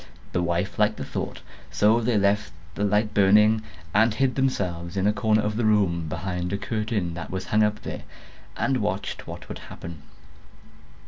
The wife liked the thought; so they left a light burning, and hid themselves in a corner of the room, behind a curtain that was hung up there, and watched what would happen.